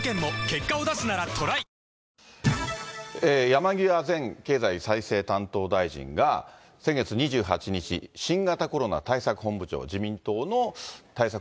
山際前経済再生担当大臣が先月２８日、新型コロナ対策本部長、自民党の対策